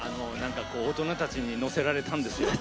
大人たちに乗せられたんですよ。